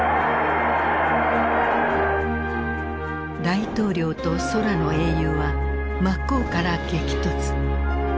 大統領と空の英雄は真っ向から激突。